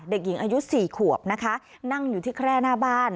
เด็กอ่าย๗๐คลับนะคะนั่งอยู่ที่แคล้หน้าบ้าน